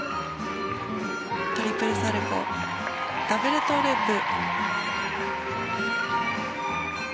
トリプルサルコウダブルトウループ。